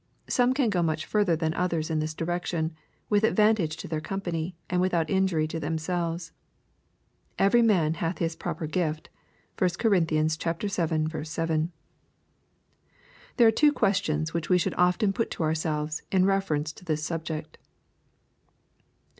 Some can go much further than others in this direction, with advantage to their company, and without injury to them selves. " Every man hath his proper gift.'' (1 Cor. vii. 7.) There are two questions which we should often put to ourselves, in reference to this subject.